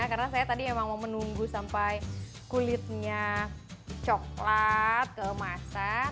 karena saya tadi memang mau menunggu sampai kulitnya coklat kemasan